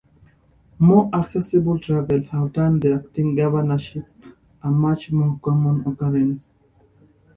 More accessible travel have turned the acting governorship a much more common occurrence.